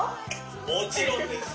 もちろんですよ。